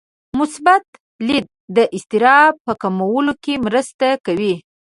مثبت لید د اضطراب په کمولو کې مرسته کوي.